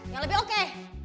yang lebih oke